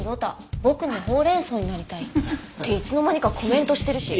「僕もほうれん草になりたい」っていつの間にかコメントしてるし。